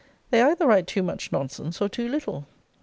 They either write too much nonsense, or too little.